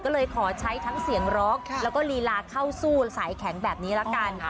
ก็เลยขอใช้ทั้งเสียงร้องแล้วก็ลีลาเข้าสู้สายแข็งแบบนี้ละกัน